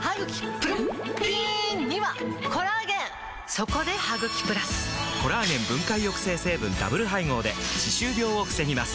そこで「ハグキプラス」！コラーゲン分解抑制成分ダブル配合で歯周病を防ぎます